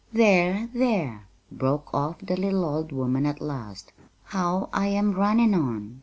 "There, there," broke off the little old woman at last, "how I am runnin' on!